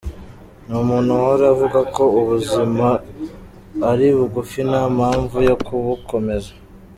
Ni umuntu uhora avuga ko ubuzima ari bugufi nta mpamvu yo kubukomeza.